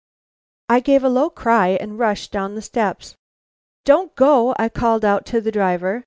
I gave a low cry and rushed down the steps. "Don't go!" I called out to the driver.